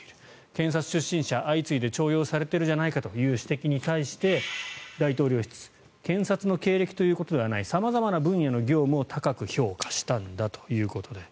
検察出身者、相次いで重用されているじゃないかという指摘に対して大統領室検察の経歴ということではない様々な業務を評価したんだと。